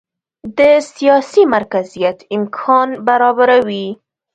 د سیاسي مرکزیت امکان برابروي.